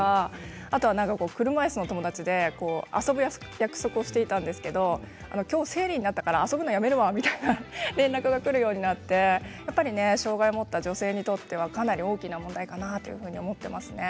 あとは車いすの友達で遊ぶ約束をしていたんですけどきょう生理になったから遊ぶのやめるわ、みたいな連絡がくるようになってやっぱり障害を持った女性にとってはかなり大きな問題かなと思っていますね。